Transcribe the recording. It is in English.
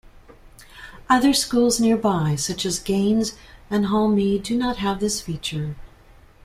Other schools nearby, such as Gaynes and Hall Mead do not have this feature.